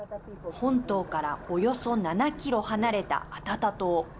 本島からおよそ７キロ離れたアタタ島。